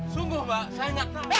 sungguh mbak saya nggak tahu